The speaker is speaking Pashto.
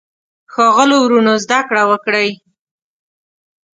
ښاغلو وروڼو زده کړه وکړئ.